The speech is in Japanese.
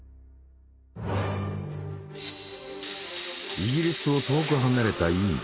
イギリスを遠く離れたインド。